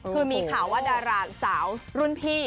คือมีข่าวว่าดาราสาวรุ่นพี่